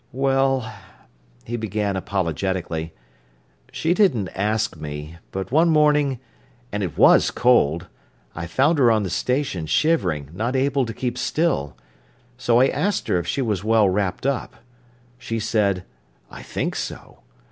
"Well," he began apologetically, "she didn't ask me; but one morning—and it was cold—I found her on the station shivering, not able to keep still; so I asked her if she was well wrapped up. She said: 'I think so.